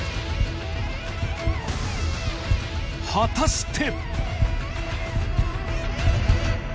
果たして！